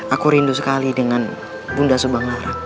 aku rindu sekali dengan bunda subang larang